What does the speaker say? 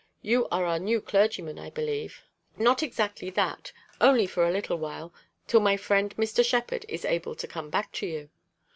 You are our new clergyman, I believe." "Not exactly that. Only for a little while, till my friend Mr. Shepherd is able to come back to you."